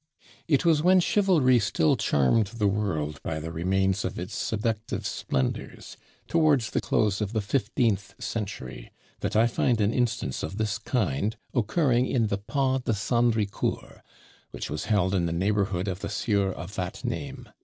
It was when chivalry still charmed the world by the remains of its seductive splendours, towards the close of the fifteenth century, that I find an instance of this kind occurring in the Pas de Sandricourt, which was held in the neighbourhood of the sieur of that name.